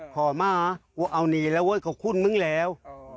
ขอมาว่าเอานี่แล้วโว้ยกับคุณมึงแล้ว